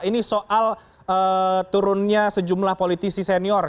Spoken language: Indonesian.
ini soal turunnya sejumlah politisi senior